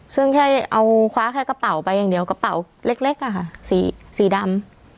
ซึ่งแค่เอาคว้าแค่กระเป๋าไปอย่างเดียวกระเป๋าเล็กอะค่ะสีดำ